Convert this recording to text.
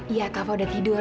iya kava udah tidur